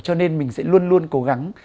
cho nên mình sẽ luôn luôn cố gắng